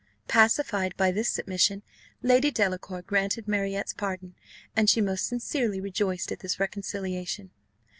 Pacified by this submission, Lady Delacour granted Marriott's pardon, and she most sincerely rejoiced at this reconciliation.